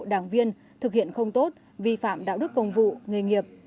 đảng viên thực hiện không tốt vi phạm đạo đức công vụ nghề nghiệp